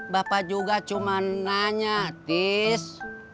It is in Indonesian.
bapak juga cuma nanya tis